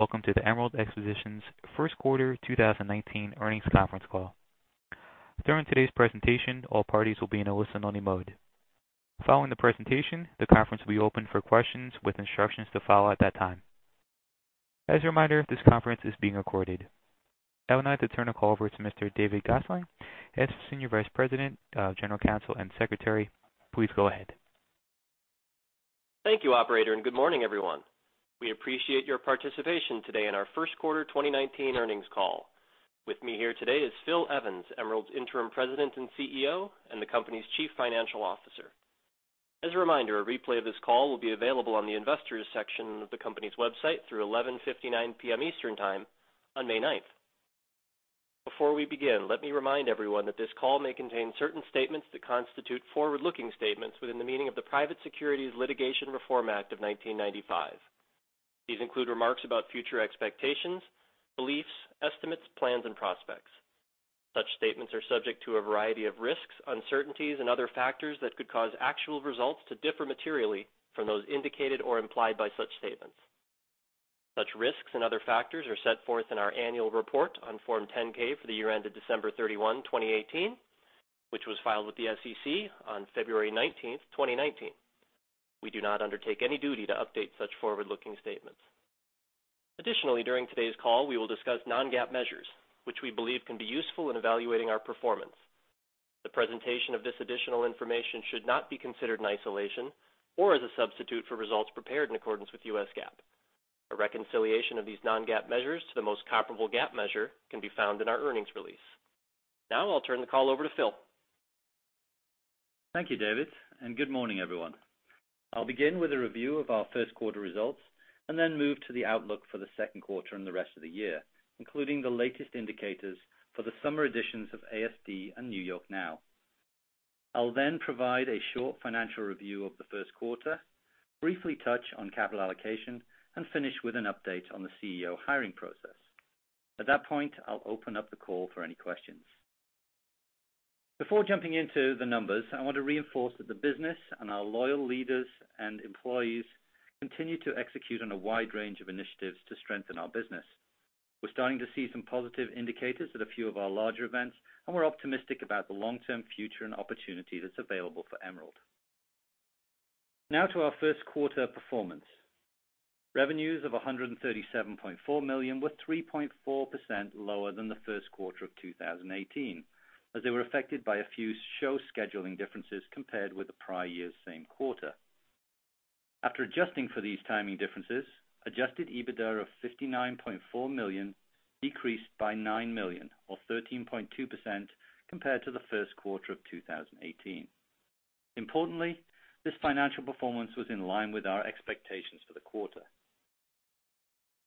Welcome to the Emerald Expositions first quarter 2019 earnings conference call. During today's presentation, all parties will be in a listen-only mode. Following the presentation, the conference will be open for questions with instructions to follow at that time. As a reminder, this conference is being recorded. Now I'd like to turn the call over to Mr. David Gosselin, Senior Vice President, General Counsel and Secretary. Please go ahead. Thank you operator, and good morning, everyone. We appreciate your participation today in our first quarter 2019 earnings call. With me here today is Philip Evans, Emerald's Interim President and CEO, and the company's Chief Financial Officer. As a reminder, a replay of this call will be available on the Investors section of the company's website through 11:59 P.M. Eastern Time on May 9th. Before we begin, let me remind everyone that this call may contain certain statements that constitute forward-looking statements within the meaning of the Private Securities Litigation Reform Act of 1995. These include remarks about future expectations, beliefs, estimates, plans, and prospects. Such statements are subject to a variety of risks, uncertainties, and other factors that could cause actual results to differ materially from those indicated or implied by such statements. Such risks and other factors are set forth in our annual report on Form 10-K for the year ended December 31, 2018, which was filed with the SEC on February 19th, 2019. We do not undertake any duty to update such forward-looking statements. Additionally, during today's call, we will discuss non-GAAP measures, which we believe can be useful in evaluating our performance. The presentation of this additional information should not be considered in isolation or as a substitute for results prepared in accordance with U.S. GAAP. A reconciliation of these non-GAAP measures to the most comparable GAAP measure can be found in our earnings release. Now I'll turn the call over to Phil. Thank you, David, and good morning, everyone. I'll begin with a review of our first quarter results and then move to the outlook for the second quarter and the rest of the year, including the latest indicators for the summer editions of ASD and NY NOW. I'll then provide a short financial review of the first quarter, briefly touch on capital allocation, and finish with an update on the CEO hiring process. At that point, I'll open up the call for any questions. Before jumping into the numbers, I want to reinforce that the business and our loyal leaders and employees continue to execute on a wide range of initiatives to strengthen our business. We're starting to see some positive indicators at a few of our larger events, and we're optimistic about the long-term future and opportunity that's available for Emerald. Now to our first quarter performance. Revenues of $137.4 million were 3.4% lower than the first quarter of 2018, as they were affected by a few show scheduling differences compared with the prior year's same quarter. After adjusting for these timing differences, adjusted EBITDA of $59.4 million decreased by $9 million or 13.2% compared to the first quarter of 2018. Importantly, this financial performance was in line with our expectations for the quarter.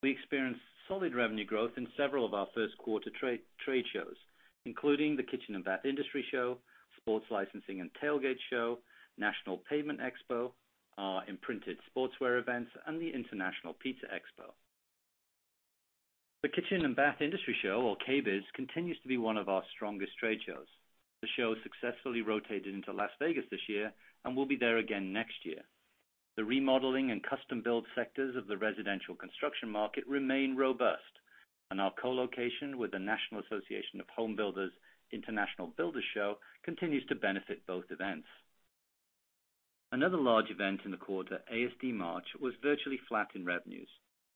We experienced solid revenue growth in several of our first quarter trade shows, including the Kitchen & Bath Industry Show, Sports Licensing and Tailgate Show, National Pavement Expo, our Imprinted Sportswear events, and the International Pizza Expo. The Kitchen & Bath Industry Show, or KBIS, continues to be one of our strongest trade shows. The show successfully rotated into Las Vegas this year and will be there again next year. The remodeling and custom build sectors of the residential construction market remain robust, and our co-location with the National Association of Home Builders' International Builders' Show continues to benefit both events. Another large event in the quarter, ASD March, was virtually flat in revenues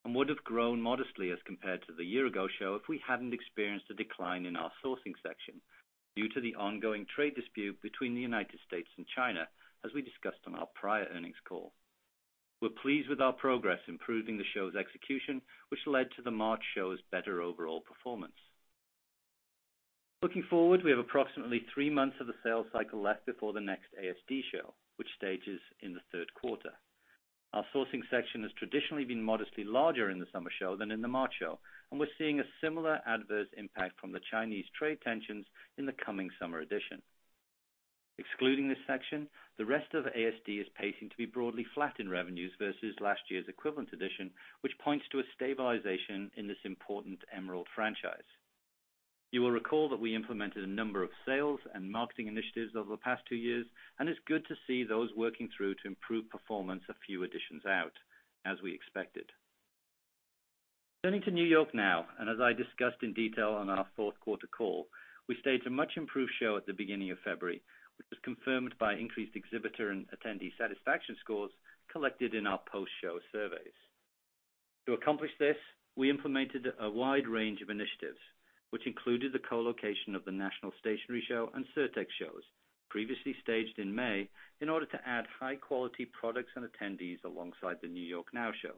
and would have grown modestly as compared to the year-ago show if we hadn't experienced a decline in our sourcing section due to the ongoing trade dispute between the United States and China, as we discussed on our prior earnings call. We're pleased with our progress improving the show's execution, which led to the March show's better overall performance. Looking forward, we have approximately three months of the sales cycle left before the next ASD show, which stages in the third quarter. Our sourcing section has traditionally been modestly larger in the summer show than in the March show, and we're seeing a similar adverse impact from the Chinese trade tensions in the coming summer edition. Excluding this section, the rest of ASD is pacing to be broadly flat in revenues versus last year's equivalent edition, which points to a stabilization in this important Emerald franchise. You will recall that we implemented a number of sales and marketing initiatives over the past two years, and it's good to see those working through to improve performance a few editions out, as we expected. Turning to NY now, and as I discussed in detail on our fourth quarter call, we staged a much-improved show at the beginning of February, which was confirmed by increased exhibitor and attendee satisfaction scores collected in our post-show surveys. To accomplish this, we implemented a wide range of initiatives, which included the co-location of the National Stationery Show and SURTEX shows previously staged in May in order to add high-quality products and attendees alongside the NY NOW show.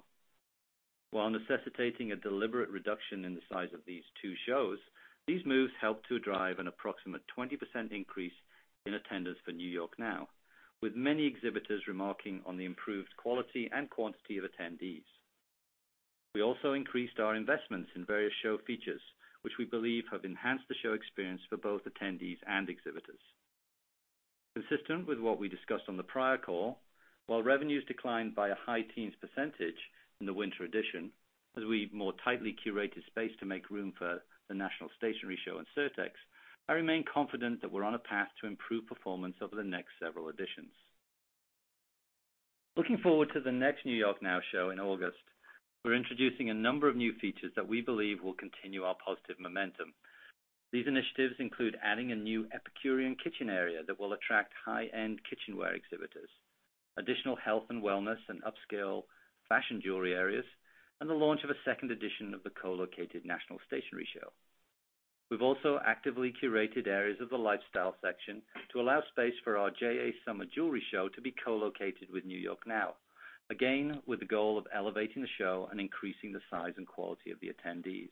While necessitating a deliberate reduction in the size of these two shows, these moves helped to drive an approximate 20% increase in attendance for NY NOW, with many exhibitors remarking on the improved quality and quantity of attendees. We also increased our investments in various show features, which we believe have enhanced the show experience for both attendees and exhibitors. Consistent with what we discussed on the prior call, while revenues declined by a high-teens percentage in the winter edition, as we more tightly curated space to make room for the National Stationery Show and SURTEX, I remain confident that we're on a path to improve performance over the next several editions. Looking forward to the next NY NOW show in August, we're introducing a number of new features that we believe will continue our positive momentum. These initiatives include adding a new Epicurean kitchen area that will attract high-end kitchenware exhibitors, additional health and wellness and upscale fashion jewelry areas, and the launch of a second edition of the co-located National Stationery Show. We've also actively curated areas of the lifestyle section to allow space for our JA New York Summer Show to be co-located with NY NOW, again, with the goal of elevating the show and increasing the size and quality of the attendees.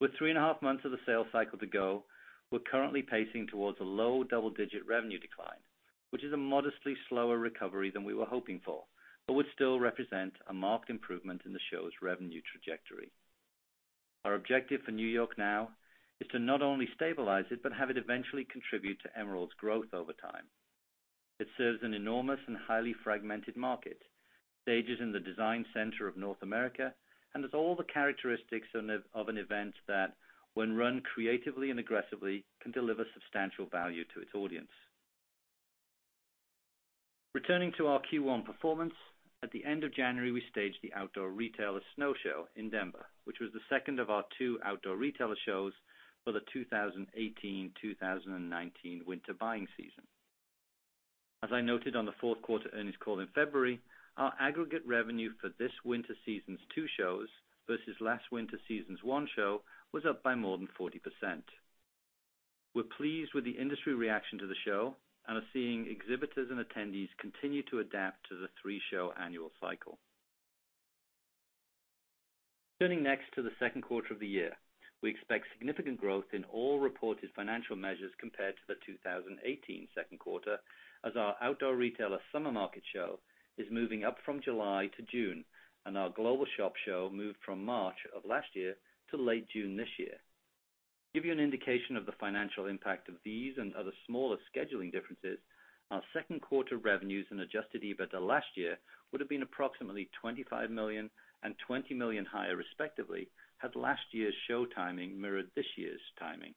With 3 and a half months of the sales cycle to go, we're currently pacing towards a low double-digit revenue decline, which is a modestly slower recovery than we were hoping for, but would still represent a marked improvement in the show's revenue trajectory. Our objective for NY NOW is to not only stabilize it but have it eventually contribute to Emerald's growth over time. It serves an enormous and highly fragmented market, stages in the design center of North America, and has all the characteristics of an event that when run creatively and aggressively, can deliver substantial value to its audience. Returning to our Q1 performance, at the end of January, we staged the Outdoor Retailer Snow Show in Denver, which was the second of our two Outdoor Retailer shows for the 2018-2019 winter buying season. As I noted on the fourth quarter earnings call in February, our aggregate revenue for this winter season's two shows versus last winter season's one show was up by more than 40%. Turning next to the second quarter of the year, we expect significant growth in all reported financial measures compared to the 2018 second quarter, as our Outdoor Retailer Summer Market Show is moving up from July to June, and our GlobalShop Show moved from March of last year to late June this year. give you an indication of the financial impact of these and other smaller scheduling differences, our second quarter revenues and adjusted EBITDA last year would've been approximately $25 million and $20 million higher respectively, had last year's show timing mirrored this year's timing.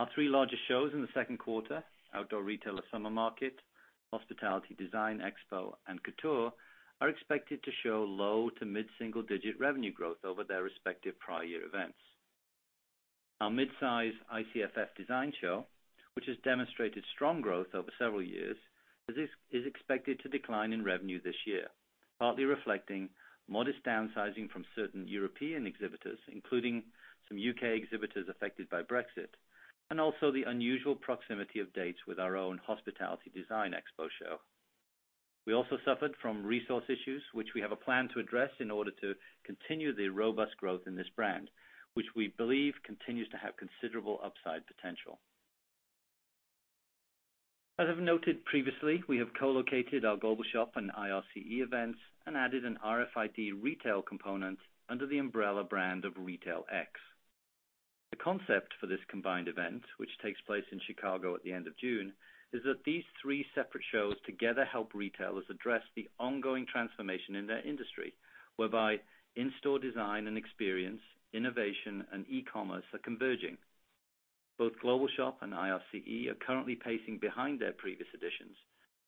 Our three largest shows in the second quarter, Outdoor Retailer Summer Market, Hospitality Design Expo, and The COUTURE Show, are expected to show low to mid-single-digit revenue growth over their respective prior year events. Our mid-size ICFF, which has demonstrated strong growth over several years, is expected to decline in revenue this year, partly reflecting modest downsizing from certain European exhibitors, including some U.K. exhibitors affected by Brexit, and also the unusual proximity of dates with our own Hospitality Design Expo Show. We also suffered from resource issues, which we have a plan to address in order to continue the robust growth in this brand, which we believe continues to have considerable upside potential. As I've noted previously, we have co-located our GlobalShop and IRCE events and added an RFID retail component under the umbrella brand of RetailX. The concept for this combined event, which takes place in Chicago at the end of June, is that these three separate shows together help retailers address the ongoing transformation in their industry, whereby in-store design and experience, innovation, and e-commerce are converging. Both GlobalShop and IRCE are currently pacing behind their previous editions.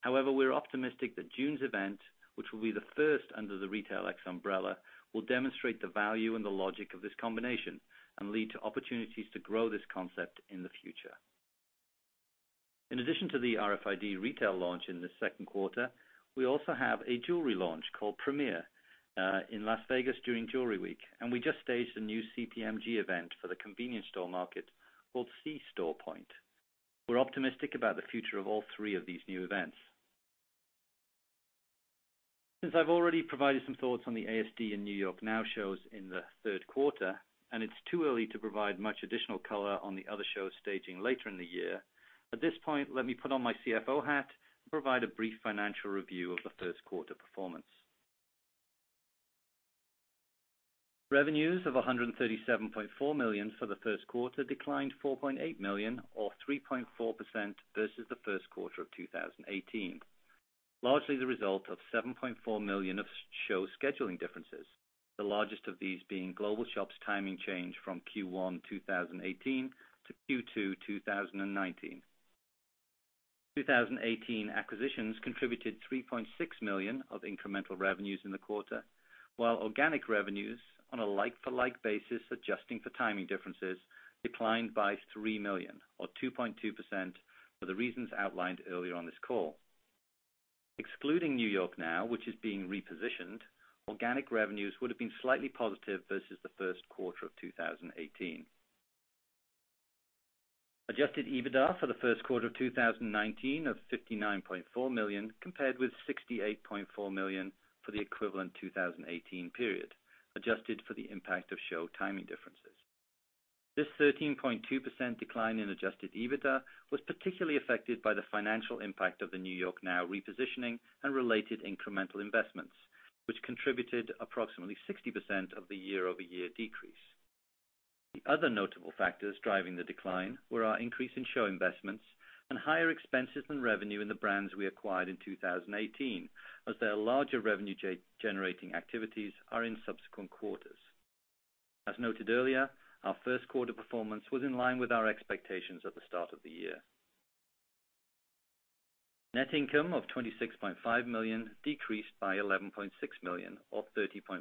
However, we're optimistic that June's event, which will be the first under the RetailX umbrella, will demonstrate the value and the logic of this combination and lead to opportunities to grow this concept in the future. In addition to the RFID retail launch in the second quarter, we also have a jewelry launch called Premiere in Las Vegas during Jewelry Week. We just staged a new CPMG event for the convenience store market called C-StorePoint. We're optimistic about the future of all three of these new events. Since I've already provided some thoughts on the ASD and NY NOW shows in the third quarter, and it's too early to provide much additional color on the other shows staging later in the year. At this point, let me put on my CFO hat and provide a brief financial review of the first quarter performance. Revenues of $137.4 million for the first quarter declined $4.8 million or 3.4% versus the first quarter of 2018, largely the result of $7.4 million of show scheduling differences, the largest of these being GlobalShop's timing change from Q1 2018 to Q2 2019. 2018 acquisitions contributed $3.6 million of incremental revenues in the quarter, while organic revenues on a like-for-like basis, adjusting for timing differences, declined by $3 million or 2.2% for the reasons outlined earlier on this call. Excluding NY NOW, which is being repositioned, organic revenues would've been slightly positive versus the first quarter of 2018. Adjusted EBITDA for the first quarter of 2019 of $59.4 million compared with $68.4 million for the equivalent 2018 period, adjusted for the impact of show timing differences. This 13.2% decline in adjusted EBITDA was particularly affected by the financial impact of the NY NOW repositioning and related incremental investments, which contributed approximately 60% of the year-over-year decrease. The other notable factors driving the decline were our increase in show investments and higher expenses and revenue in the brands we acquired in 2018, as their larger revenue-generating activities are in subsequent quarters. As noted earlier, our first quarter performance was in line with our expectations at the start of the year. Net income of $26.5 million decreased by $11.6 million, or 30.4%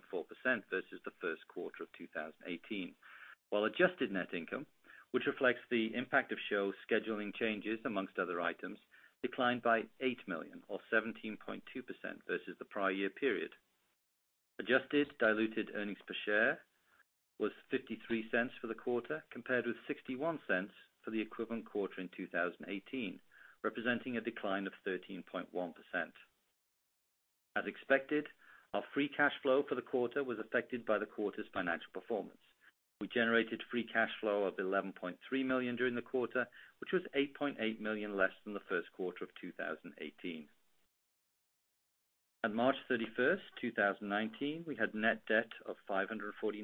versus the first quarter of 2018. While Adjusted Net Income, which reflects the impact of show scheduling changes amongst other items, declined by $8 million, or 17.2% versus the prior year period. Adjusted diluted earnings per share was $0.53 for the quarter, compared with $0.61 for the equivalent quarter in 2018, representing a decline of 13.1%. As expected, our free cash flow for the quarter was affected by the quarter's financial performance. We generated free cash flow of $11.3 million during the quarter, which was $8.8 million less than the first quarter of 2018. At March 31st, 2019, we had net debt of $549.2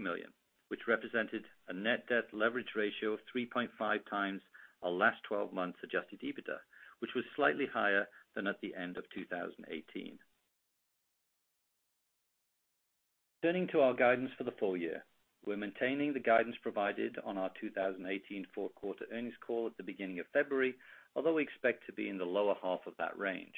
million, which represented a net debt leverage ratio of 3.5 times our last 12 months adjusted EBITDA, which was slightly higher than at the end of 2018. Turning to our guidance for the full year. We're maintaining the guidance provided on our 2018 fourth quarter earnings call at the beginning of February, although we expect to be in the lower half of that range.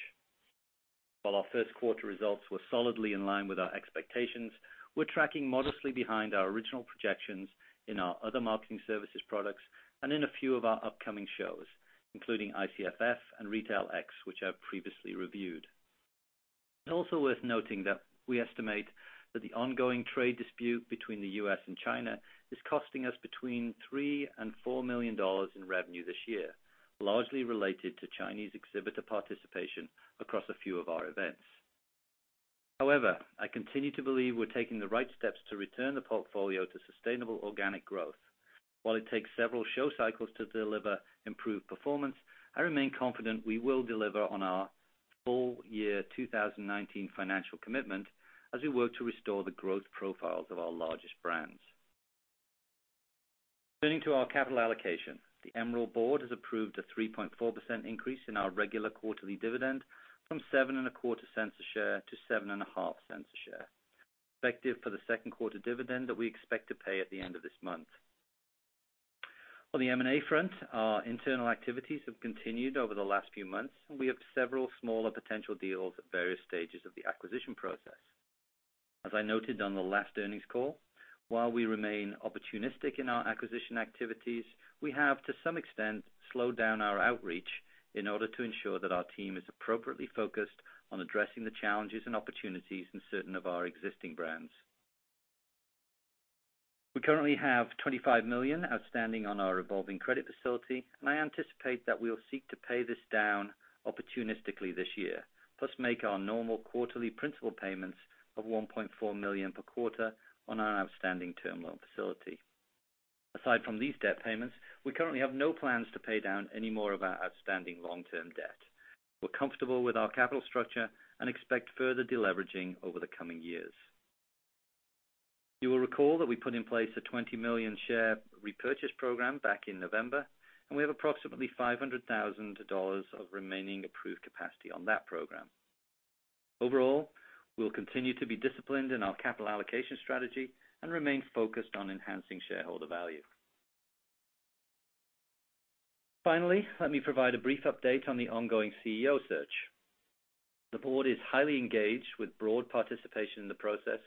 While our first quarter results were solidly in line with our expectations, we're tracking modestly behind our original projections in our other marketing services products and in a few of our upcoming shows, including ICFF and RetailX, which I previously reviewed. It's also worth noting that we estimate that the ongoing trade dispute between the U.S. and China is costing us between $3 million and $4 million in revenue this year, largely related to Chinese exhibitor participation across a few of our events. However, I continue to believe we're taking the right steps to return the portfolio to sustainable organic growth. While it takes several show cycles to deliver improved performance, I remain confident we will deliver on our full year 2019 financial commitment as we work to restore the growth profiles of our largest brands. Turning to our capital allocation. The Emerald board has approved a 3.4% increase in our regular quarterly dividend from $0.0725 a share to $0.075 a share, effective for the second quarter dividend that we expect to pay at the end of this month. On the M&A front, our internal activities have continued over the last few months, and we have several smaller potential deals at various stages of the acquisition process. As I noted on the last earnings call, while we remain opportunistic in our acquisition activities, we have, to some extent, slowed down our outreach in order to ensure that our team is appropriately focused on addressing the challenges and opportunities in certain of our existing brands. We currently have $25 million outstanding on our revolving credit facility, and I anticipate that we'll seek to pay this down opportunistically this year. Plus make our normal quarterly principal payments of $1.4 million per quarter on our outstanding term loan facility. Aside from these debt payments, we currently have no plans to pay down any more of our outstanding long-term debt. We're comfortable with our capital structure and expect further deleveraging over the coming years. You will recall that we put in place a 20 million share repurchase program back in November, and we have approximately $500,000 of remaining approved capacity on that program. Overall, we'll continue to be disciplined in our capital allocation strategy and remain focused on enhancing shareholder value. Finally, let me provide a brief update on the ongoing CEO search. The Board is highly engaged with broad participation in the process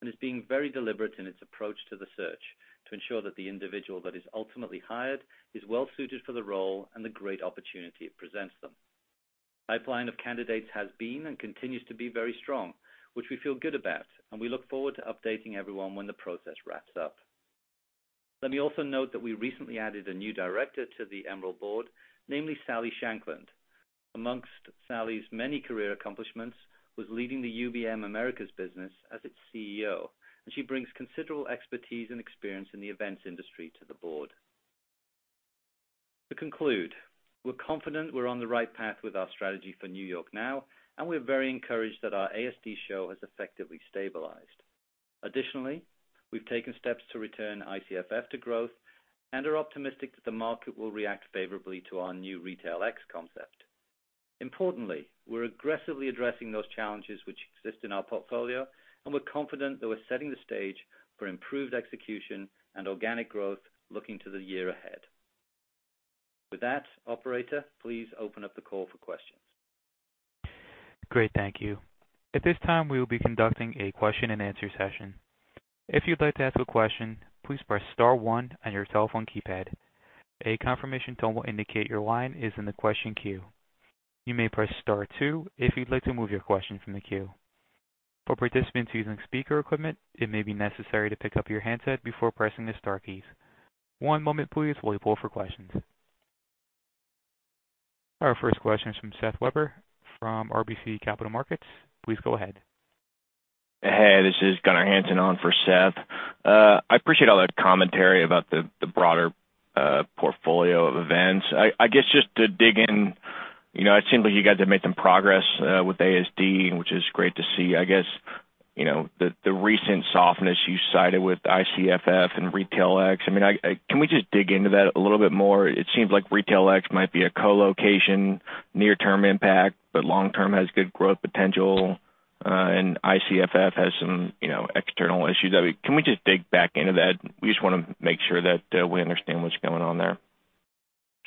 and is being very deliberate in its approach to the search to ensure that the individual that is ultimately hired is well suited for the role and the great opportunity it presents them. Pipeline of candidates has been and continues to be very strong, which we feel good about, and we look forward to updating everyone when the process wraps up. Let me also note that we recently added a new director to the Emerald Board, namely Sali Shankland. Amongst Sali's many career accomplishments, was leading the UBM Americas business as its CEO, and she brings considerable expertise and experience in the events industry to the Board. To conclude, we're confident we're on the right path with our strategy for NY NOW, and we're very encouraged that our ASD show has effectively stabilized. Additionally, we've taken steps to return ICFF to growth and are optimistic that the market will react favorably to our new RetailX concept. Importantly, we're aggressively addressing those challenges which exist in our portfolio, and we're confident that we're setting the stage for improved execution and organic growth looking to the year ahead. With that, operator, please open up the call for questions. Great. Thank you. At this time, we will be conducting a question and answer session. If you'd like to ask a question, please press star one on your telephone keypad. A confirmation tone will indicate your line is in the question queue. You may press star two if you'd like to move your question from the queue. For participants using speaker equipment, it may be necessary to pick up your handset before pressing the star keys. One moment please, while we pull for questions. Our first question is from Seth Weber from RBC Capital Markets. Please go ahead. Hey, this is Gunnar Hansen on for Seth. I appreciate all that commentary about the broader portfolio of events. I guess just to dig in, it seems like you guys have made some progress, with ASD, which is great to see. I guess, the recent softness you cited with ICFF and RetailX, can we just dig into that a little bit more? It seems like RetailX might be a co-location near-term impact, but long-term has good growth potential. ICFF has some external issues. Can we just dig back into that? We just want to make sure that we understand what's going on there.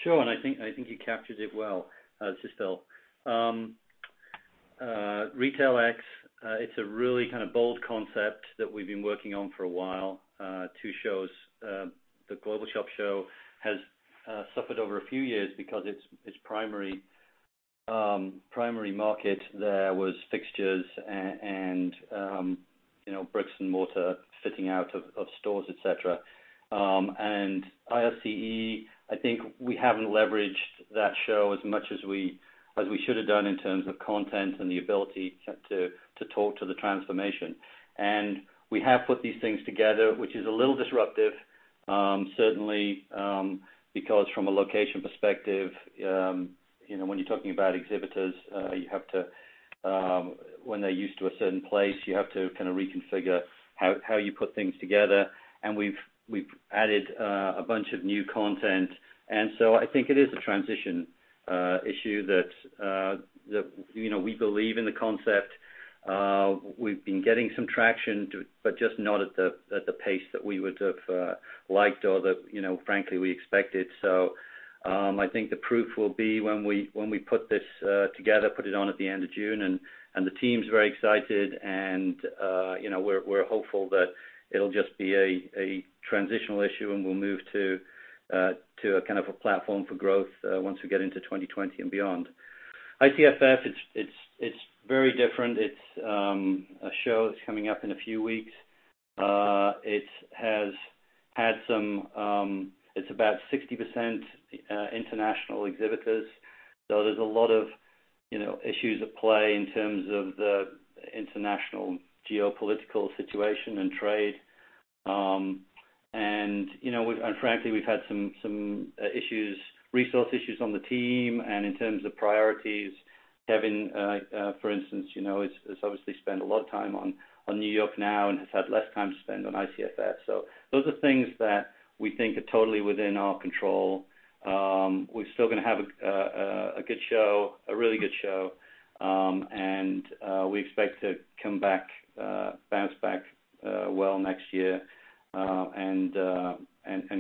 Sure. I think you captured it well, Sistel. RetailX, it's a really kind of bold concept that we've been working on for a while. Two shows. The GlobalShop Show has suffered over a few years because its primary market there was fixtures and bricks and mortar fitting out of stores, et cetera. IRCE, I think we haven't leveraged that show as much as we should have done in terms of content and the ability to talk to the transformation. We have put these things together, which is a little disruptive, certainly, because from a location perspective, when you're talking about exhibitors, when they're used to a certain place, you have to kind of reconfigure how you put things together. We've added a bunch of new content. I think it is a transition issue that we believe in the concept. We've been getting some traction, just not at the pace that we would have liked or that, frankly, we expected. I think the proof will be when we put this together, put it on at the end of June. The team's very excited. We're hopeful that it'll just be a transitional issue. We'll move to a kind of a platform for growth once we get into 2020 and beyond. ICFF, it's very different. It's a show that's coming up in a few weeks. It's about 60% international exhibitors. There's a lot of issues at play in terms of the international geopolitical situation and trade. Frankly, we've had some resource issues on the team and in terms of priorities. Kevin, for instance, has obviously spent a lot of time on NY NOW and has had less time to spend on ICFF. Those are things that we think are totally within our control. We're still going to have a good show, a really good show. We expect to bounce back well next year.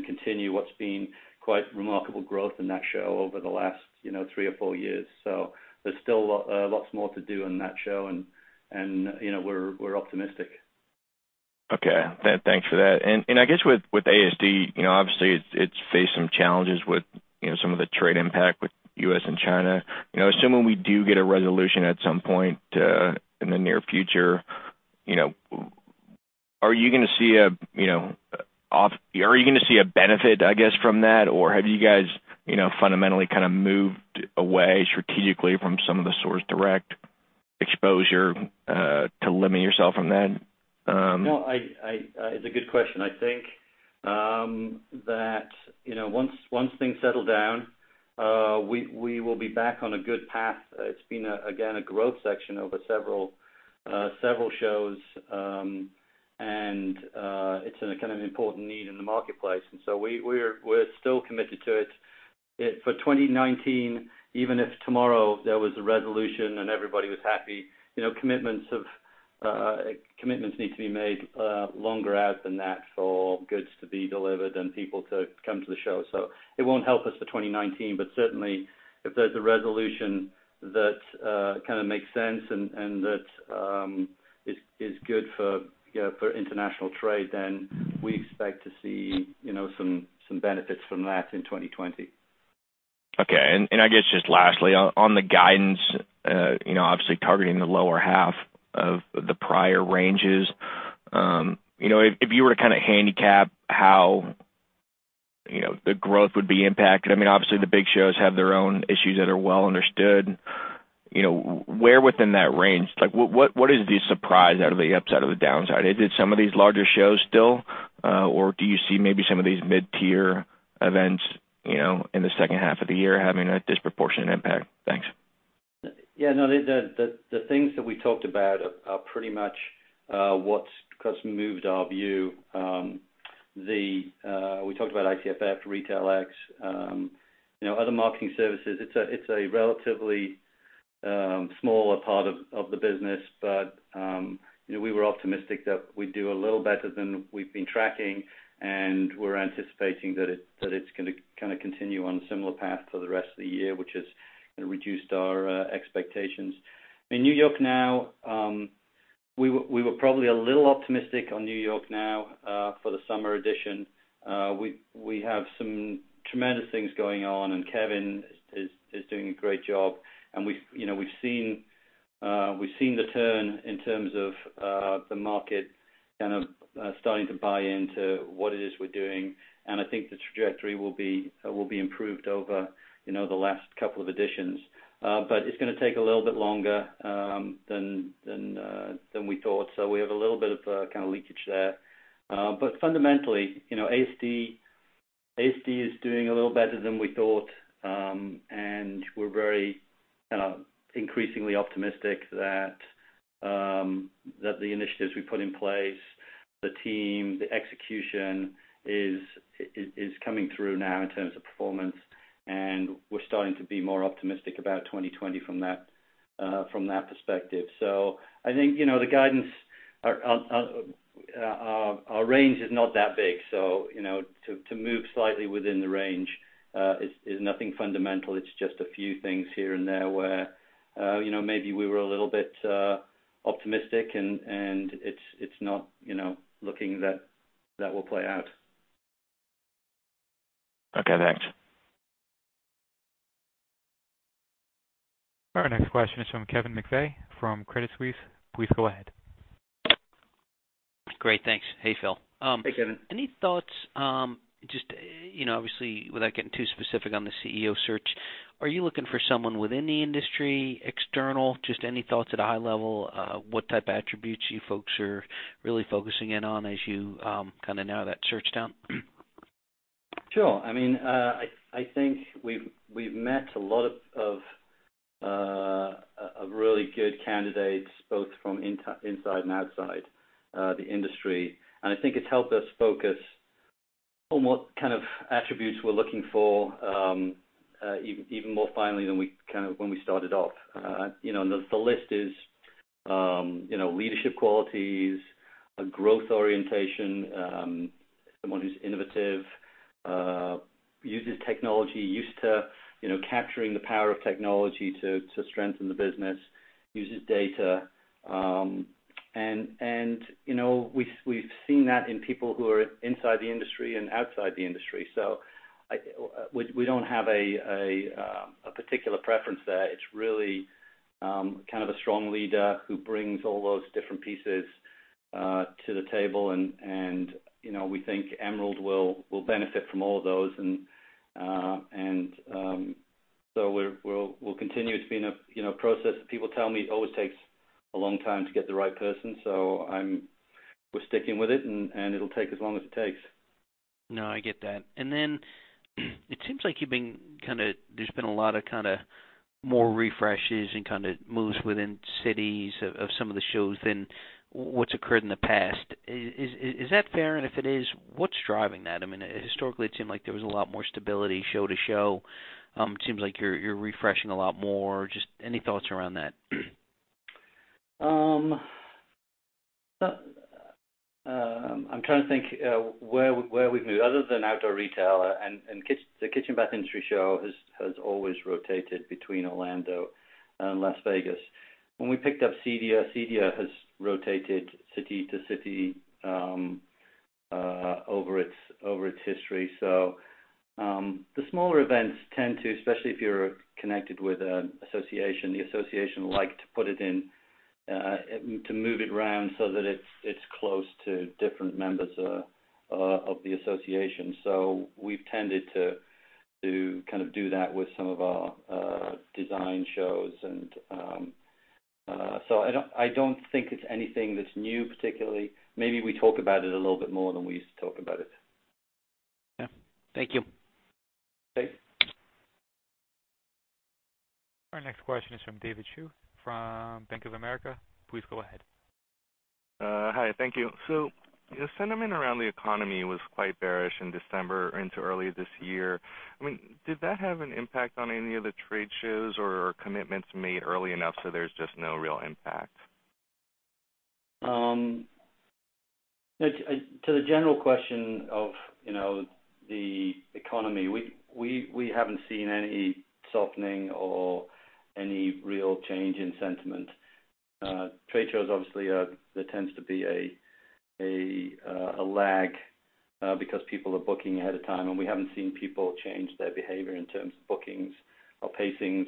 Continue what's been quite remarkable growth in that show over the last three or four years. There's still lots more to do in that show. We're optimistic. Okay. Thanks for that. I guess with ASD, obviously, it's faced some challenges with some of the trade impact with U.S. and China. Assuming we do get a resolution at some point in the near future, are you going to see a benefit, I guess, from that? Have you guys fundamentally kind of moved away strategically from some of the source direct exposure, to limit yourself from that? No, it's a good question. I think that once things settle down, we will be back on a good path. It's been, again, a growth section over several shows, and it's a kind of important need in the marketplace. We're still committed to it. For 2019, even if tomorrow there was a resolution and everybody was happy, commitments need to be made longer out than that for goods to be delivered and people to come to the show. It won't help us for 2019. Certainly, if there's a resolution that kind of makes sense and that is good for international trade, then we expect to see some benefits from that in 2020. Okay. I guess just lastly, on the guidance, obviously targeting the lower half of the prior ranges. If you were to kind of handicap how the growth would be impacted, I mean, obviously, the big shows have their own issues that are well understood. Where within that range, like, what is the surprise out of the upside or the downside? Is it some of these larger shows still? Do you see maybe some of these mid-tier events in the second half of the year having a disproportionate impact? Thanks. Yeah, no, the things that we talked about are pretty much what's moved our view. We talked about ICFF, RetailX. Other marketing services, it's a relatively smaller part of the business. We were optimistic that we'd do a little better than we've been tracking, and we're anticipating that it's going to kind of continue on a similar path for the rest of the year, which has reduced our expectations. In NY NOW, we were probably a little optimistic on NY NOW for the summer edition. We have some tremendous things going on, and Kevin is doing a great job. We've seen the turn in terms of the market kind of starting to buy into what it is we're doing, and I think the trajectory will be improved over the last couple of editions. It's going to take a little bit longer than we thought. We have a little bit of kind of leakage there. Fundamentally, ASD is doing a little better than we thought. We're very kind of increasingly optimistic that the initiatives we put in place, the team, the execution, is coming through now in terms of performance. We're starting to be more optimistic about 2020 from that perspective. I think the guidance, our range is not that big. To move slightly within the range is nothing fundamental. It's just a few things here and there where maybe we were a little bit optimistic, and it's not looking that will play out. Okay, thanks. Our next question is from Kevin McVeigh from Credit Suisse. Please go ahead. Great. Thanks. Hey, Phil. Hey, Kevin. Any thoughts, obviously without getting too specific on the CEO search, are you looking for someone within the industry, external? Just any thoughts at a high level, what type of attributes you folks are really focusing in on as you narrow that search down? Sure. I think we've met a lot of really good candidates, both from inside and outside the industry. I think it's helped us focus on what kind of attributes we're looking for, even more finely than when we started off. The list is leadership qualities, a growth orientation, someone who's innovative, uses technology, used to capturing the power of technology to strengthen the business, uses data. We've seen that in people who are inside the industry and outside the industry. We don't have a particular preference there. It's really a strong leader who brings all those different pieces to the table, and we think Emerald will benefit from all of those. We'll continue. It's been a process. People tell me it always takes a long time to get the right person. We're sticking with it, and it'll take as long as it takes. No, I get that. It seems like there's been a lot of more refreshes and moves within cities of some of the shows than what's occurred in the past. Is that fair? If it is, what's driving that? Historically, it seemed like there was a lot more stability show to show. It seems like you're refreshing a lot more. Just any thoughts around that? I'm trying to think where we've moved, other than Outdoor Retailer. The Kitchen & Bath Industry Show has always rotated between Orlando and Las Vegas. When we picked up CDH has rotated city to city over its history. The smaller events tend to, especially if you're connected with an association, the association liked to move it around so that it's close to different members of the association. We've tended to do that with some of our design shows. I don't think it's anything that's new, particularly. Maybe we talk about it a little bit more than we used to talk about it. Yeah. Thank you. Okay. Our next question is from David Hsu from Bank of America. Please go ahead. Hi. Thank you. The sentiment around the economy was quite bearish in December into early this year. Did that have an impact on any of the trade shows or commitments made early enough so there's just no real impact? To the general question of the economy, we haven't seen any softening or any real change in sentiment. Trade shows, obviously, there tends to be a lag because people are booking ahead of time, and we haven't seen people change their behavior in terms of bookings or pacings.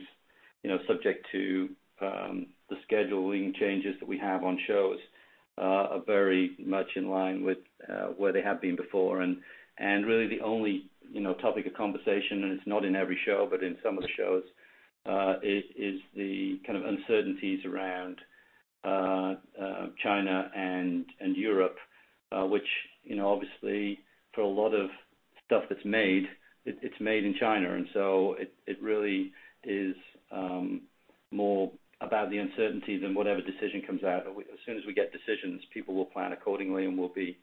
Subject to the scheduling changes that we have on shows are very much in line with where they have been before. Really the only topic of conversation, and it's not in every show, but in some of the shows, is the uncertainties around China and Europe, which, obviously, for a lot of stuff that's made, it's made in China. It really is more about the uncertainty than whatever decision comes out. As soon as we get decisions, people will plan accordingly, and we'll be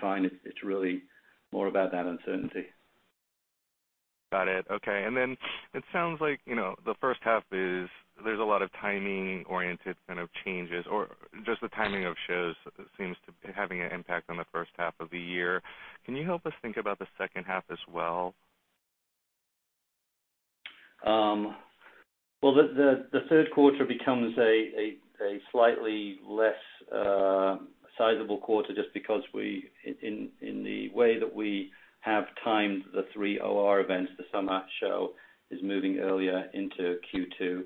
fine. It's really more about that uncertainty. Got it. Okay. Then it sounds like the first half, there's a lot of timing-oriented kind of changes, or just the timing of shows seems to be having an impact on the first half of the year. Can you help us think about the second half as well? The third quarter becomes a slightly less sizable quarter just because in the way that we have timed the three OR events, the Summer show is moving earlier into Q2.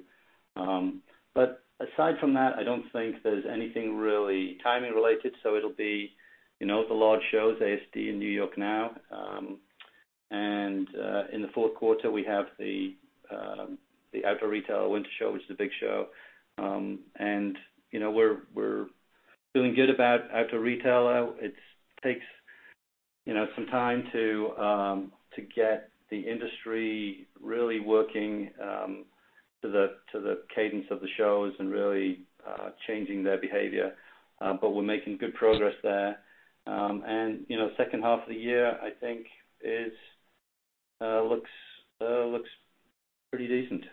Aside from that, I don't think there's anything really timing related. It'll be the large shows, ASD in NY NOW. In the fourth quarter, we have the Outdoor Retailer Winter Show, which is a big show. We're feeling good about Outdoor Retailer. It takes some time to get the industry really working to the cadence of the shows and really changing their behavior. We're making good progress there. Second half of the year, I think looks pretty decent.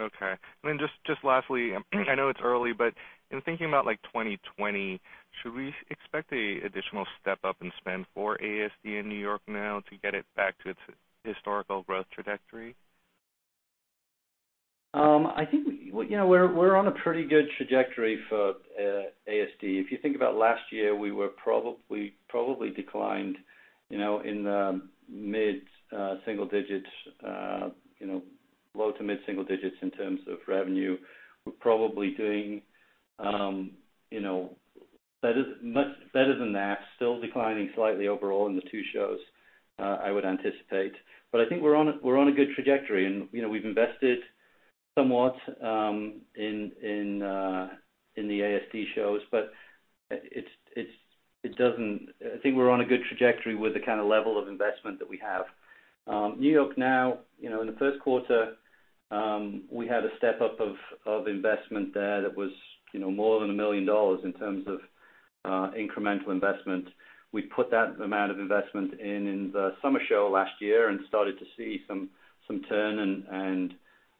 Okay. Then just lastly, I know it's early, but in thinking about 2020, should we expect an additional step up in spend for ASD in NY NOW to get it back to its historical growth trajectory? I think we're on a pretty good trajectory for ASD. If you think about last year, we probably declined in the low to mid-single digits in terms of revenue. We're probably doing better than that. Still declining slightly overall in the two shows, I would anticipate. I think we're on a good trajectory, and we've invested somewhat in the ASD shows. I think we're on a good trajectory with the kind of level of investment that we have. NY NOW, in the first quarter, we had a step-up of investment there that was more than $1 million in terms of incremental investment. We put that amount of investment in the Summer show last year and started to see some turn, and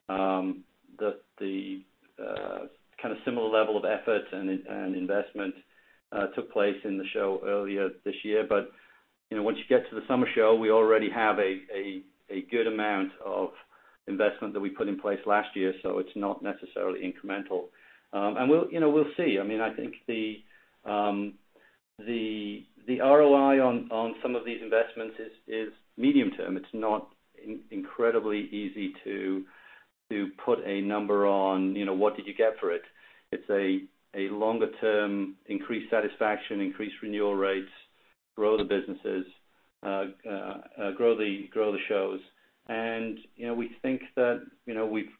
the kind of similar level of effort and investment took place in the show earlier this year. Once you get to the summer show, we already have a good amount of investment that we put in place last year, so it's not necessarily incremental. We'll see. I think the ROI on some of these investments is medium-term. It's not incredibly easy to put a number on what did you get for it. It's a longer-term increased satisfaction, increased renewal rates, grow the businesses, grow the shows. We think that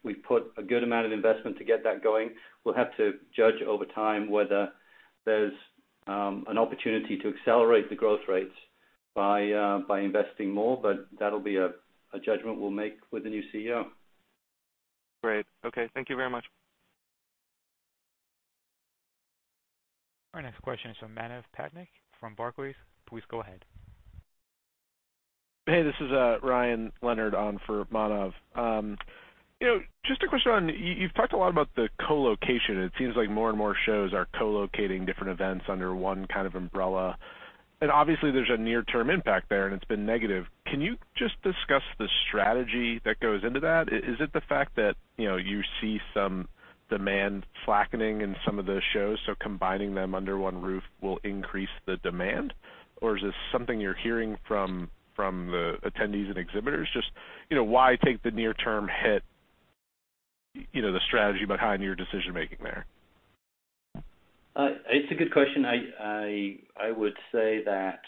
we've put a good amount of investment to get that going. We'll have to judge over time whether there's an opportunity to accelerate the growth rates by investing more, but that'll be a judgment we'll make with the new CEO. Great. Okay. Thank you very much. Our next question is from Manav Patniak from Barclays. Please go ahead. Hey, this is Ryan Leonard on for Manav. Just a question on, you've talked a lot about the co-location. It seems like more and more shows are co-locating different events under one kind of umbrella. Obviously, there's a near-term impact there, and it's been negative. Can you just discuss the strategy that goes into that? Is it the fact that you see some demand slackening in some of the shows, so combining them under one roof will increase the demand? Or is this something you're hearing from the attendees and exhibitors? Just why take the near-term hit, the strategy behind your decision-making there? It's a good question. I would say that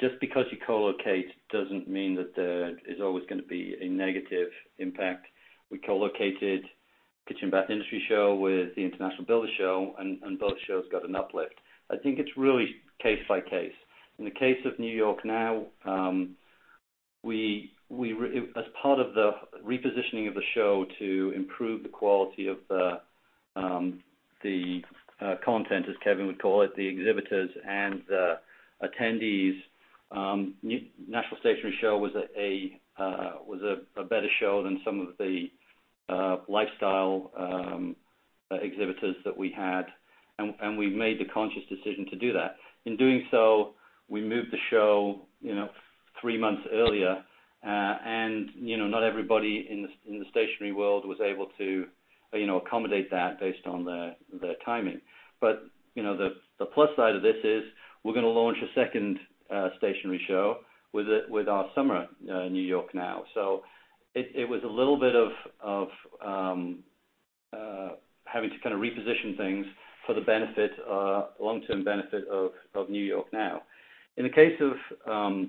just because you co-locate doesn't mean that there is always going to be a negative impact. We co-located Kitchen & Bath Industry Show with the International Builders' Show, and both shows got an uplift. I think it's really case by case. In the case of NY NOW, as part of the repositioning of the show to improve the quality of the content, as Kevin would call it, the exhibitors and the attendees, National Stationery Show was a better show than some of the lifestyle exhibitors that we had, and we've made the conscious decision to do that. In doing so, we moved the show 3 months earlier, and not everybody in the stationery world was able to accommodate that based on their timing. The plus side of this is we're going to launch a second stationery show with our summer NY NOW. It was a little bit of having to kind of reposition things for the long-term benefit of NY NOW. In the case of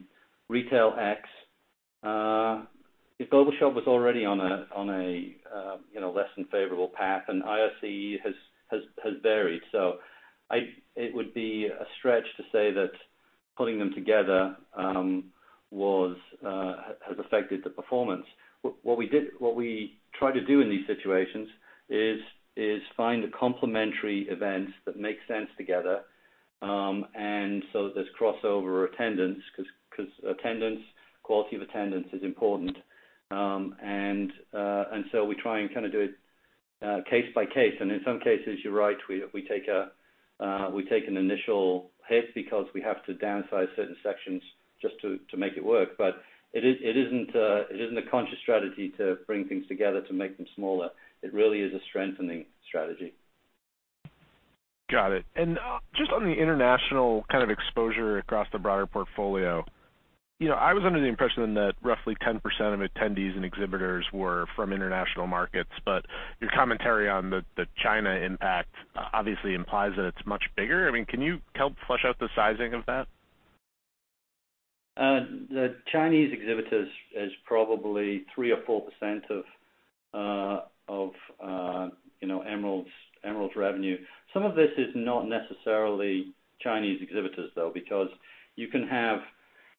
RetailX, GlobalShop was already on a less than favorable path, and IRCE has varied. It would be a stretch to say that putting them together has affected the performance. What we try to do in these situations is find the complementary events that make sense together, and so there's crossover attendance, because quality of attendance is important. We try and do it case by case. In some cases, you're right, we take an initial hit because we have to downsize certain sections just to make it work. It isn't a conscious strategy to bring things together to make them smaller. It really is a strengthening strategy. Got it. Just on the international kind of exposure across the broader portfolio. I was under the impression that roughly 10% of attendees and exhibitors were from international markets, but your commentary on the China impact obviously implies that it's much bigger. Can you help flesh out the sizing of that? The Chinese exhibitors is probably 3% or 4% of Emerald's revenue. Some of this is not necessarily Chinese exhibitors, though, because you can have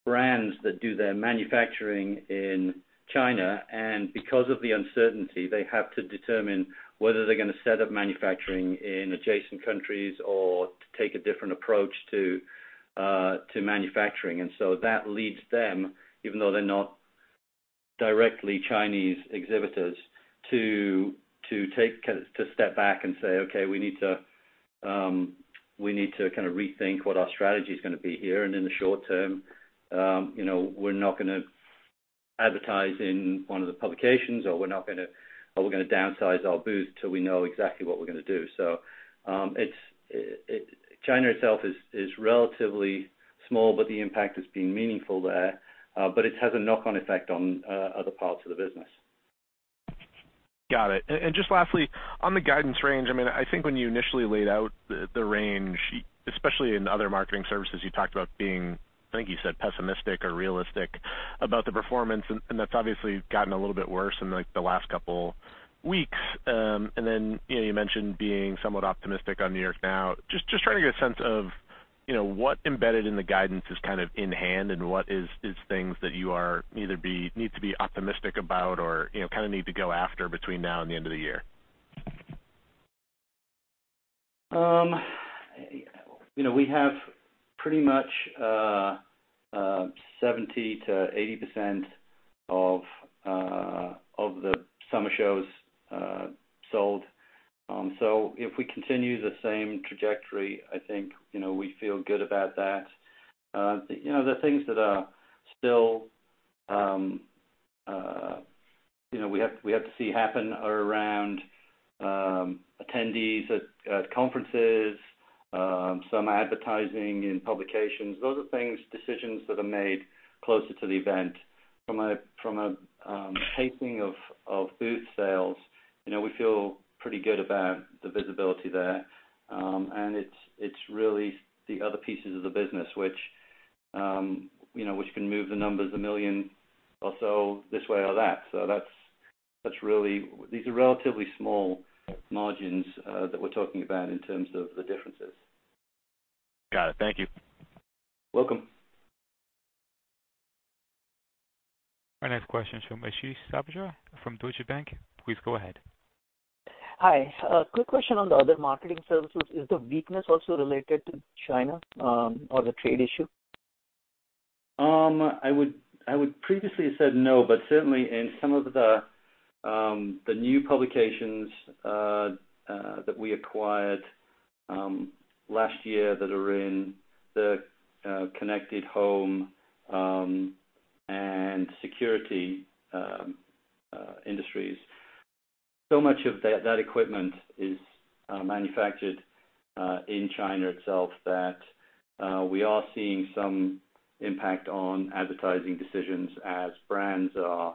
brands that do their manufacturing in China, and because of the uncertainty, they have to determine whether they're going to set up manufacturing in adjacent countries or take a different approach to manufacturing. That leads them, even though they're not directly Chinese exhibitors, to step back and say, "Okay, we need to rethink what our strategy is going to be here. In the short term, we're not going to advertise in one of the publications, or we're going to downsize our booth till we know exactly what we're going to do." China itself is relatively small, but the impact has been meaningful there. It has a knock-on effect on other parts of the business. Got it. Just lastly, on the guidance range, I think when you initially laid out the range, especially in other marketing services, you talked about being, I think you said pessimistic or realistic about the performance, and that's obviously gotten a little bit worse in the last couple weeks. Then, you mentioned being somewhat optimistic on NY NOW. Just trying to get a sense of what embedded in the guidance is in hand and what is things that you either need to be optimistic about or need to go after between now and the end of the year? We have pretty much 70%-80% of the summer shows sold. If we continue the same trajectory, I think we feel good about that. The things that are still we have to see happen around attendees at conferences, some advertising in publications. Those are decisions that are made closer to the event. From a pacing of booth sales, we feel pretty good about the visibility there. It's really the other pieces of the business which can move the numbers $1 million or so this way or that. These are relatively small margins that we're talking about in terms of the differences. Got it. Thank you. Welcome. Our next question is from Ashish Sabharwal from Deutsche Bank. Please go ahead. Hi. A quick question on the other marketing services. Is the weakness also related to China, or the trade issue? I would previously have said no, but certainly in some of the new publications that we acquired last year that are in the connected home and security industries. So much of that equipment is manufactured in China itself that we are seeing some impact on advertising decisions as I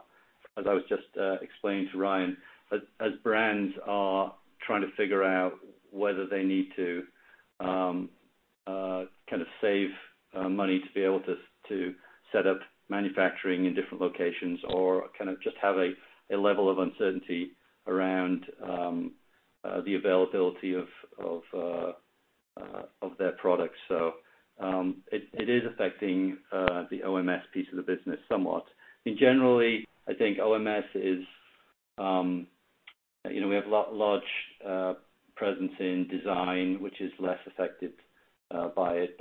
was just explaining to Ryan. As brands are trying to figure out whether they need to save money to be able to set up manufacturing in different locations or kind of just have a level of uncertainty around the availability of their products. It is affecting the OMS piece of the business somewhat. Generally, I think OMS is We have large presence in design, which is less affected by it.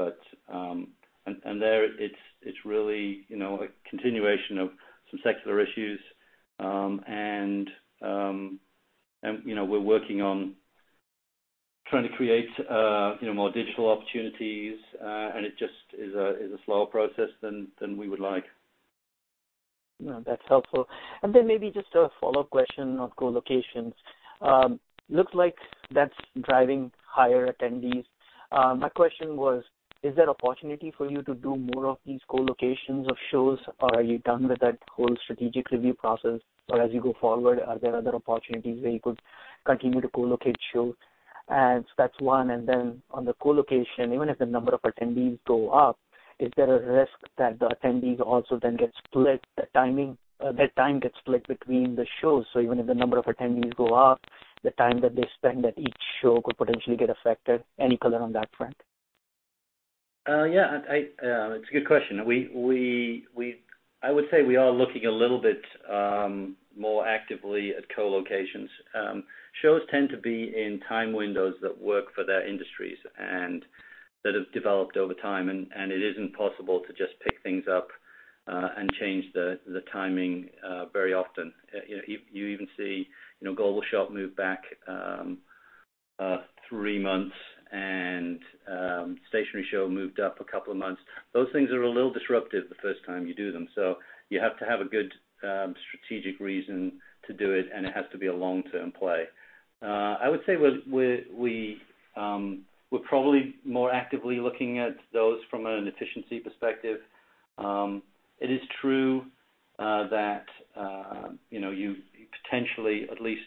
There, it's really a continuation of some secular issues. We're working on trying to create more digital opportunities. It just is a slower process than we would like. No, that's helpful. Maybe just a follow-up question on co-locations. Looks like that's driving higher attendees. My question was, is there opportunity for you to do more of these co-locations of shows, or are you done with that whole strategic review process? As you go forward, are there other opportunities where you could continue to co-locate shows? That's one. On the co-location, even if the number of attendees go up, is there a risk that the attendees also then get split, the time gets split between the shows? Even if the number of attendees go up, the time that they spend at each show could potentially get affected. Any color on that front? Yeah. It's a good question. I would say we are looking a little bit more actively at co-locations. Shows tend to be in time windows that work for their industries and that have developed over time, and it isn't possible to just pick things up and change the timing very often. You even see GlobalShop move back 3 months and National Stationery Show moved up a couple of months. Those things are a little disruptive the first time you do them. You have to have a good strategic reason to do it, and it has to be a long-term play. I would say we're probably more actively looking at those from an efficiency perspective. It is true that you potentially, at least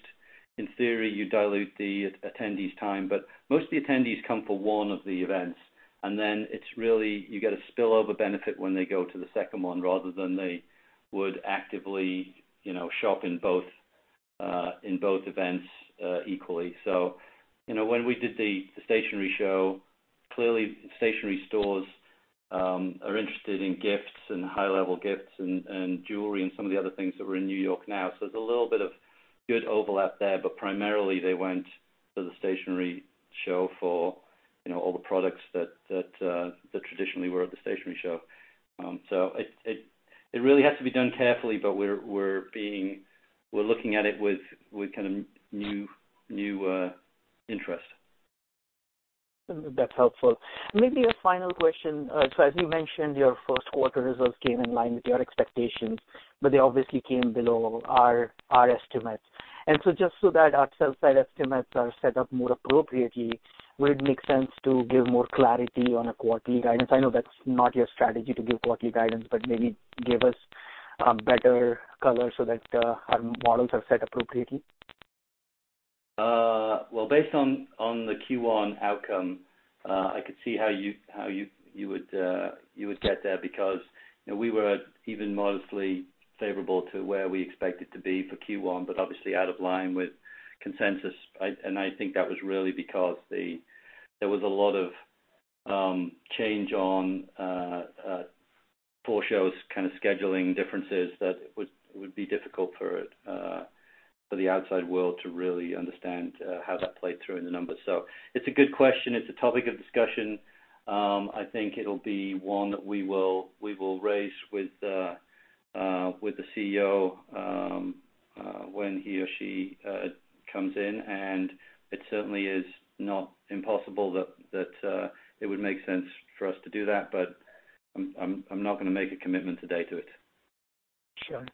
in theory, you dilute the attendees' time. Most of the attendees come for one of the events, and then you get a spillover benefit when they go to the second one, rather than they would actively shop in both events equally. When we did the National Stationery Show, clearly stationery stores are interested in gifts and high-level gifts and jewelry and some of the other things that were in NY NOW. There's a little bit of good overlap there, but primarily they went to the National Stationery Show for all the products that traditionally were at the National Stationery Show. It really has to be done carefully, but we're looking at it with kind of new interest. That's helpful. Maybe a final question. As you mentioned, your first quarter results came in line with your expectations, but they obviously came below our estimates. Just so that our sell side estimates are set up more appropriately, would it make sense to give more clarity on a quarterly guidance? I know that's not your strategy to give quarterly guidance, but maybe give us a better color so that our models are set appropriately. Well, based on the Q1 outcome, I could see how you would get there because we were even modestly favorable to where we expected to be for Q1, obviously out of line with consensus. I think that was really because there was a lot of change on four shows, kind of scheduling differences that would be difficult for the outside world to really understand how that played through in the numbers. It's a good question. It's a topic of discussion. I think it'll be one that we will raise with the CEO, when he or she comes in. It certainly is not impossible that it would make sense for us to do that. I'm not going to make a commitment today to it. Sure.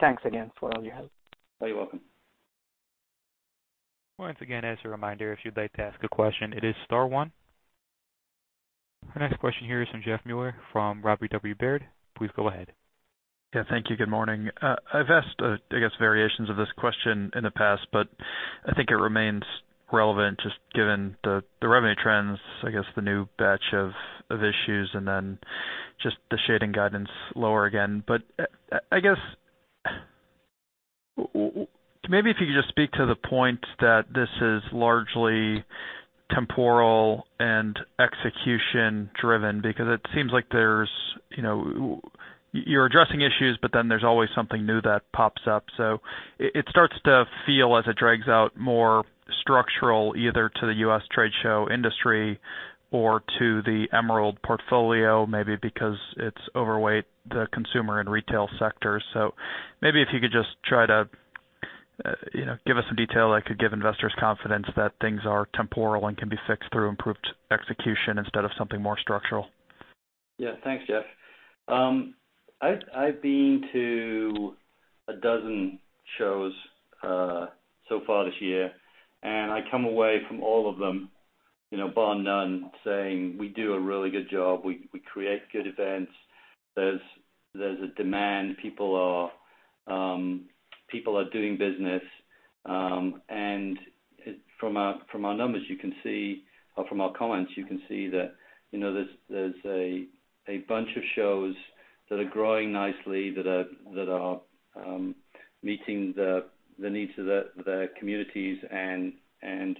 Thanks again for all your help. You're welcome. Once again, as a reminder, if you'd like to ask a question, it is star one. Our next question here is from Jeff Meuler from Robert W. Baird. Please go ahead. Yeah, thank you. Good morning. I've asked, I guess, variations of this question in the past, but I think it remains relevant just given the revenue trends, I guess the new batch of issues, and then just the shading guidance lower again. I guess, maybe if you could just speak to the point that this is largely temporal and execution driven, because it seems like you're addressing issues, but then there's always something new that pops up. It starts to feel as it drags out more structural, either to the U.S. trade show industry or to the Emerald portfolio, maybe because it's overweight the consumer and retail sector. Maybe if you could just try to give us some detail that could give investors confidence that things are temporal and can be fixed through improved execution instead of something more structural. Yeah. Thanks, Jeff. I've been to a dozen shows so far this year, and I come away from all of them bar none saying we do a really good job. We create good events. There's a demand. People are doing business. From our numbers, you can see or from our comments, you can see that there's a bunch of shows that are growing nicely, that are meeting the needs of their communities and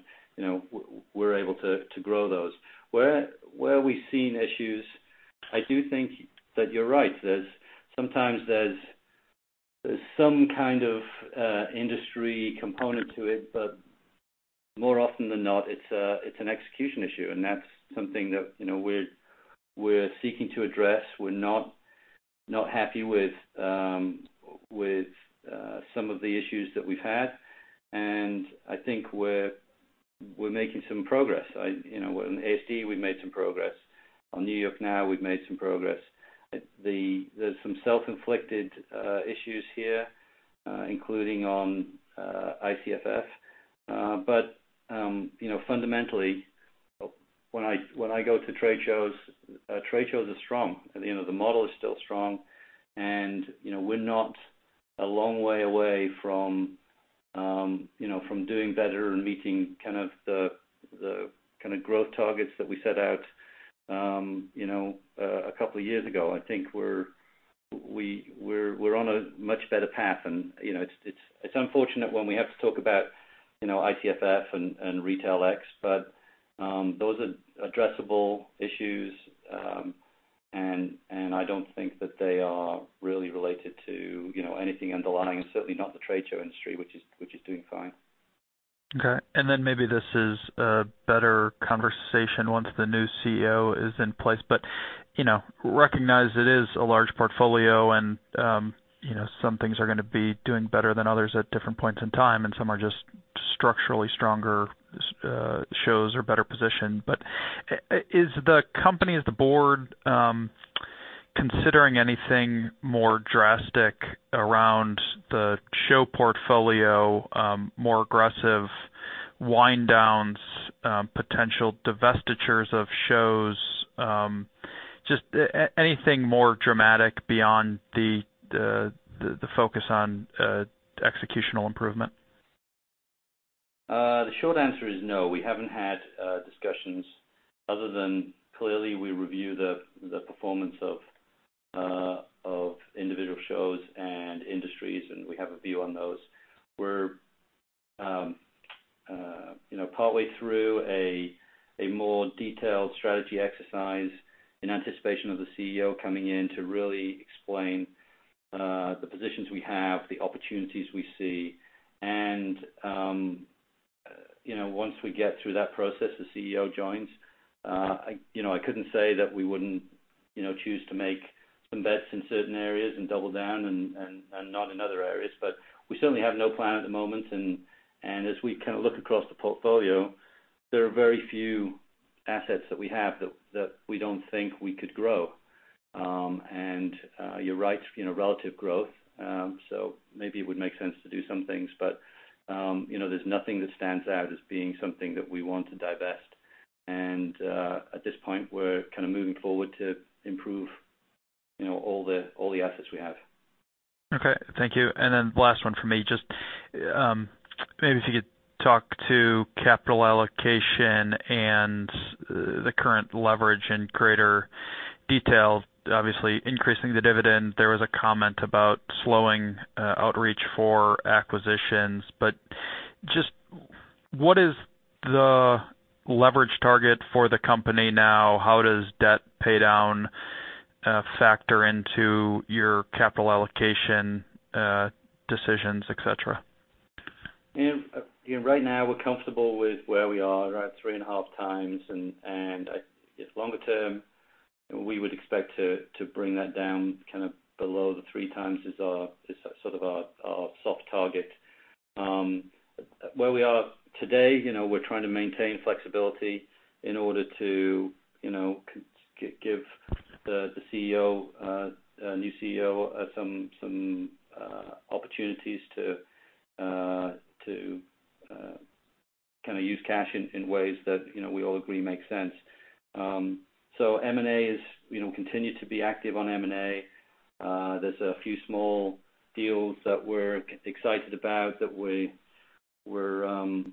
we're able to grow those. Where we've seen issues, I do think that you're right. Sometimes there's some kind of industry component to it, but more often than not, it's an execution issue. That's something that we're seeking to address. We're not happy with some of the issues that we've had, and I think we're making some progress. On ASD, we've made some progress. On NY NOW, we've made some progress. There's some self-inflicted issues here, including on ICFF. Fundamentally, when I go to trade shows, trade shows are strong. The model is still strong, and we're not a long way away from doing better and meeting kind of the growth targets that we set out a couple of years ago. I think we're on a much better path, and it's unfortunate when we have to talk about ICFF and RetailX, but those are addressable issues. I don't think that they are really related to anything underlying, and certainly not the trade show industry, which is doing fine. Okay. Then maybe this is a better conversation once the new CEO is in place. Recognize it is a large portfolio and some things are going to be doing better than others at different points in time, and some are just structurally stronger shows or better positioned. Is the company, as the board, considering anything more drastic around the show portfolio, more aggressive wind downs, potential divestitures of shows? Just anything more dramatic beyond the focus on executional improvement? The short answer is no. We haven't had discussions other than clearly we review the performance of individual shows and industries, and we have a view on those. Partway through a more detailed strategy exercise in anticipation of the CEO coming in to really explain the positions we have, the opportunities we see. Once we get through that process, the CEO joins. I couldn't say that we wouldn't choose to make some bets in certain areas and double down and not in other areas. We certainly have no plan at the moment, and as we look across the portfolio, there are very few assets that we have that we don't think we could grow. You're right, relative growth. Maybe it would make sense to do some things, but there's nothing that stands out as being something that we want to divest. At this point, we're moving forward to improve all the assets we have. Okay. Thank you. The last one from me, just maybe if you could talk to capital allocation and the current leverage in greater detail, obviously increasing the dividend. There was a comment about slowing outreach for acquisitions. Just what is the leverage target for the company now? How does debt paydown factor into your capital allocation decisions, et cetera? Right now, we're comfortable with where we are, around 3.5 times. I guess longer term, we would expect to bring that down below the three times is our soft target. Where we are today, we're trying to maintain flexibility in order to give the new CEO some opportunities to use cash in ways that we all agree makes sense. M&A continue to be active on M&A. There's a few small deals that we're excited about that we're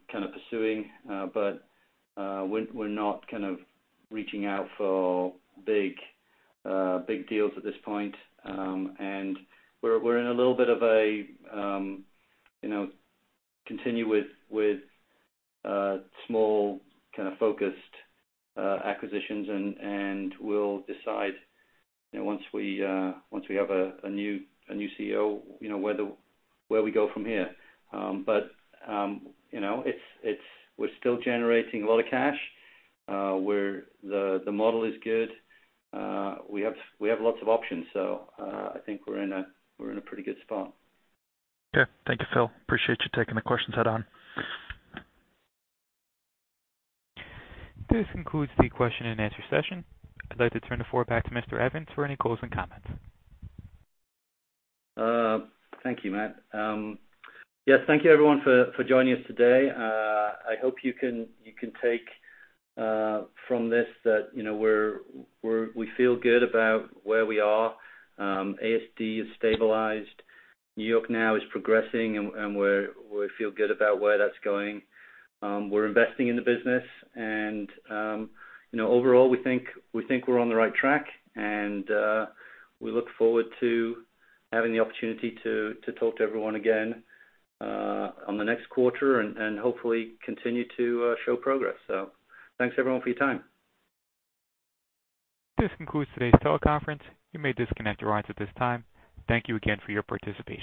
pursuing. We're not reaching out for big deals at this point. We're in a little bit of a continue with small focused acquisitions, and we'll decide once we have a new CEO where we go from here. We're still generating a lot of cash. The model is good. We have lots of options. I think we're in a pretty good spot. Yeah. Thank you, Phil. Appreciate you taking the questions head on. This concludes the question and answer session. I'd like to turn the floor back to Mr. Evans for any closing comments. Thank you, Matt. Yes, thank you everyone for joining us today. I hope you can take from this that we feel good about where we are. ASD has stabilized. NY NOW is progressing, and we feel good about where that's going. We're investing in the business and overall, we think we're on the right track and we look forward to having the opportunity to talk to everyone again on the next quarter and hopefully continue to show progress. Thanks everyone for your time. This concludes today's teleconference. You may disconnect your lines at this time. Thank you again for your participation.